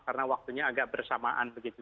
karena waktunya agak bersamaan begitu